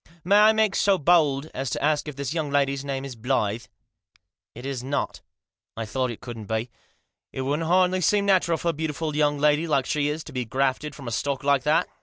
May I make so bold as to ask if this young lady's name isBlyth?" " It is not" " I thought it couldn't be. It wouldn't hardly seem natural for a beautiful young lady like she is to be grafted from a stock like that.